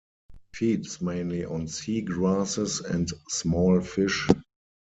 It feeds mainly on sea grasses and small fish.